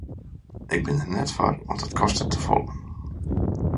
Ik bin der net foar want it kostet te folle.